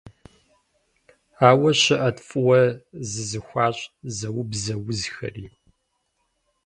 Ауэ щыӏэт фӏыуэ зызыхуащӏ, зэубзэ узхэри.